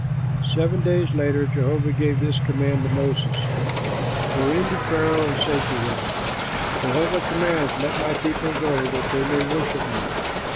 Seven days later Jehovah gave this command to Moses, "Go in to Pharaoh and say to him, 'Jehovah commands: Let my people go that they may worship me.